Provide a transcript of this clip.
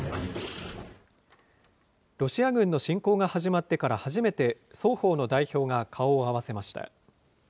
ロシア軍の侵攻が始まってから初めて、双方の代表が顔を合わせました。